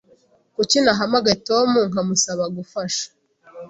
Kuki ntahamagaye Tom nkamusaba gufasha?